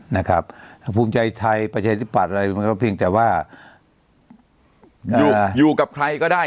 นะครับภูมิใจไทยประชาธิปัตย์อะไรมันก็เพียงแต่ว่าอยู่อยู่กับใครก็ได้